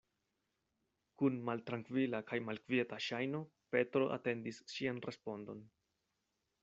Kun maltrankvila kaj malkvieta ŝajno Petro atendis ŝian respondon.